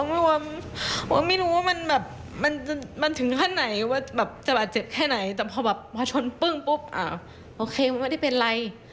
เริ่มสิบพึงปุ๊บโอเคมันไม่ได้เป็นไร